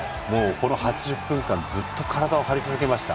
この８０分間、ずっと体を張り続けました。